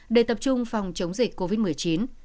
để tập trung phòng chống dịch covid một mươi chín